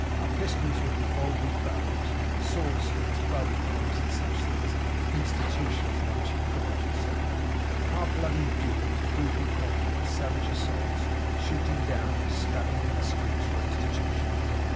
Are pistols with revolving barrels, sword sticks, bowie knives, and such things, Institutions on which you pride yourselves? Are bloody duels, brutal combats, savage assaults, shooting down and stabbing in the streets, your Institutions!